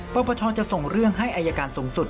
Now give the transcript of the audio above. ปปชจะส่งเรื่องให้อายการสูงสุด